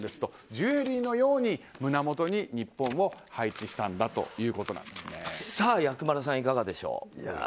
ジュエリーのように胸元に「日本」をさあ、薬丸さんいかがでしょう？